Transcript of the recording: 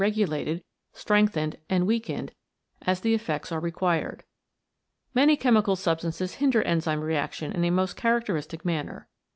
regulated, strengthened, and weakened, as the effects are required. Many chemical substances hinder enzyme reactions in a most characteristic manner.